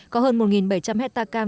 có hơn một bảy trăm linh hectare cam